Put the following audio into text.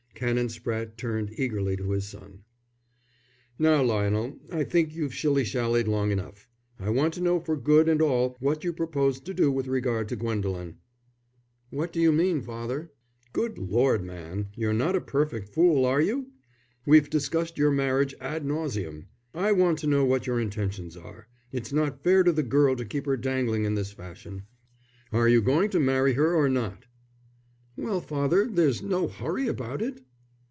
Canon Spratte turned eagerly to his son. "Now, Lionel, I think you've shilly shallied long enough. I want to know for good and all what you propose to do with regard to Gwendolen." "What do you mean, father?" "Good lord, man, you're not a perfect fool, are you? We've discussed your marriage ad nauseam. I want to know what your intentions are. It's not fair to the girl to keep her dangling in this fashion. Are you going to marry her or not?" "Well, father, there's no hurry about it?"